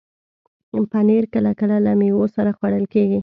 پنېر کله کله له میوو سره خوړل کېږي.